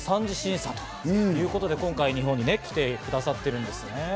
３次審査ということで今回、日本に来てくださってるんですよね。